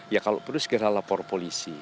ya kalau perlu segera lapor polisi